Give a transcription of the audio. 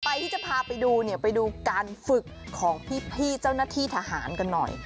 ที่จะพาไปดูเนี่ยไปดูการฝึกของพี่เจ้าหน้าที่ทหารกันหน่อย